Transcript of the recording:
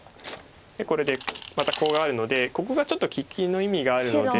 でこれでまたコウがあるのでここがちょっと利きの意味があるので。